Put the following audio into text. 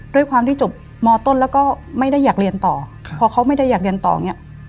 ด้วยความที่จบมต้นแล้วก็ไม่ได้อยากเรียนต่อพอเขาไม่ได้อยากเรียนต่ออย่างนี้